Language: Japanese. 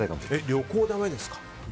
旅行はだめですか？